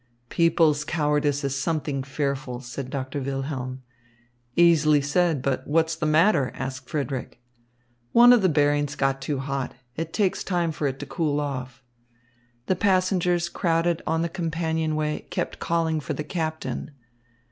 "People's cowardice is something fearful," said Doctor Wilhelm. "Easily said; but what's the matter?" asked Frederick. "One of the bearings got too hot. It takes time for it to cool off." The passengers crowded on the companionway kept calling for the captain.